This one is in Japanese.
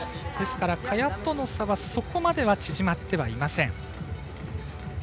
萱との差はそこまでは縮まってはいません。